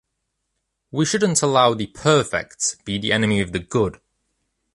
We shouldn’t allow the "perfect" be the enemy of the "good."